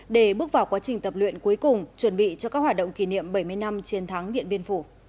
để bước vào quá trình tập luyện cuối cùng chuẩn bị cho các hoạt động kỷ niệm bảy mươi năm chiến thắng nhân dân